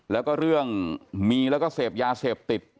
แล้วก็เรื่องมีแล้วก็เสพยาเสพติด